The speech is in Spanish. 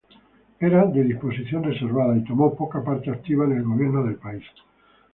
Era de disposición reservada y tomó poca parte activa en el gobierno del país.